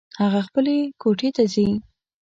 هغه خپلې کوټې ته ځي